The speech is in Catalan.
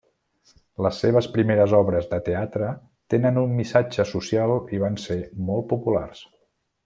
Les seves primeres obres de teatre tenen un missatge social i van ser molt populars.